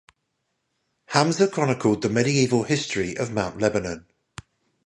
Hamza chronicled the medieval history of Mount Lebanon.